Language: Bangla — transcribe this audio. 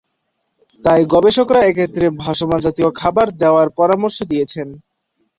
তাই গবেষকরা এক্ষেত্রে ভাসমান জাতীয় খাবার দেয়ার পরামর্শ দিয়েছেন।